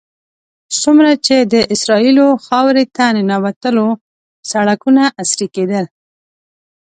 څومره چې د اسرائیلو خاورې ته ننوتلو سړکونه عصري کېدل.